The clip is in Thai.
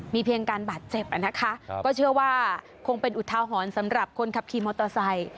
เพียงการบาดเจ็บนะคะก็เชื่อว่าคงเป็นอุทาหรณ์สำหรับคนขับขี่มอเตอร์ไซค์